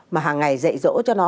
mà hàng ngày dạy dỗ cho nó